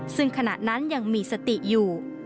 ซึ่งขณะนั้นยังมีสติอยู่